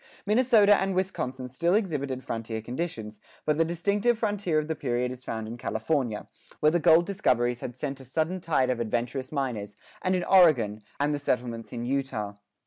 [8:1] Minnesota and Wisconsin still exhibited frontier conditions,[8:2] but the distinctive frontier of the period is found in California, where the gold discoveries had sent a sudden tide of adventurous miners, and in Oregon, and the settlements in Utah.